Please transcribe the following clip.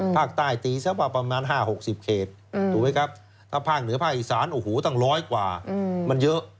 ตีสักประมาณ๕๖๐เขตถูกไหมครับถ้าภาคเหนือภาคอีสานโอ้โหตั้งร้อยกว่ามันเยอะ